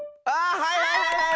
はいはいはい！